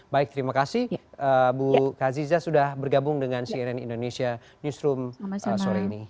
baik terima kasih bu kaziza sudah bergabung dengan cnn indonesia newsroom sore ini